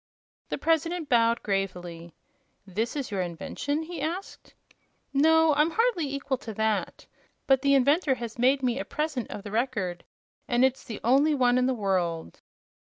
The President bowed gravely. "This is your invention?" he asked. "No; I'm hardly equal to that. But the inventor has made me a present of the Record, and it's the only one in the world."